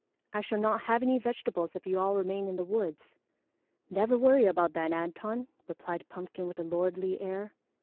I shall not have any vegetables if you all remain in the woods." "Never worry about that, Antone," replied Pumpkin with a lordly air.